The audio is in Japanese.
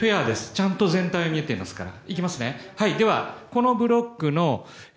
ちゃんと全体を見ていますから。